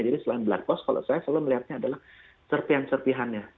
jadi selain black box kalau saya selalu melihatnya adalah certian certiannya